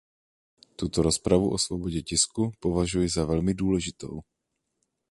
Tuto rozpravu o svobodě tisku považuji za velmi důležitou.